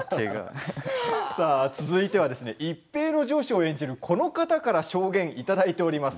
さあ、続いてはですね一平の上司を演じるこの方から証言いただいております。